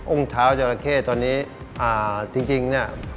อุ้งเท้าจราเข้ตอนนี้จริงนี่